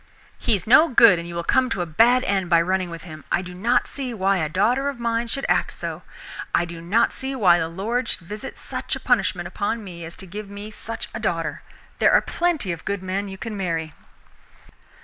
"He is no good, and you will come to a bad end by running with him! I do not see why a daughter of mine should act so. I do not see why the Lord should visit such a punishment upon me as to give me such a daughter. There are plenty of good men you can marry."